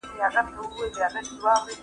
ایا تکړه پلورونکي بادام صادروي؟